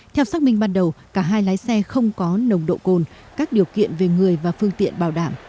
theo xác minh ban đầu cả hai lái xe không có nồng độ cồn các điều kiện về người và phương tiện bảo đảm